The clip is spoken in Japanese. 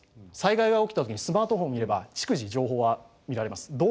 災害が起きた時にスマートフォン見れば逐次情報は見られます。